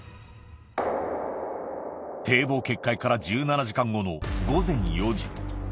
堤防決壊から１７時間後の午前４時。